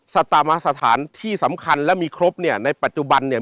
สตามสถานที่สำคัญและมีครบเนี่ยในปัจจุบันเนี่ย